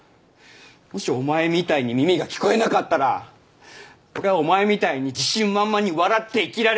もしお前みたいに耳が聞こえなかったら俺はお前みたいに自信満々に笑って生きられない！